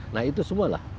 nah itu semualah